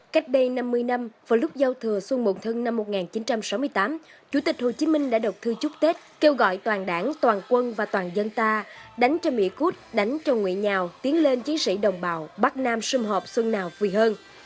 cách đây năm mươi năm vào lúc giao thừa xuân mộn thân năm một nghìn chín trăm sáu mươi tám chủ tịch hồ chí minh đã đọc thư chúc tết kêu gọi toàn đảng toàn quân và toàn dân ta đánh cho mỹ cút đánh cho nguyễn nhào tiến lên chiến sĩ đồng bào bắc nam xung họp xuân nào quỳ hơn